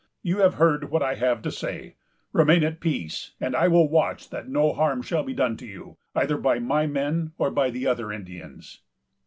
You have heard what I have to say; remain at peace, and I will watch that no harm shall be done to you, either by my men or by the other Indians."